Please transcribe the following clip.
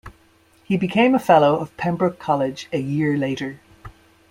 He became a Fellow of Pembroke College a year later.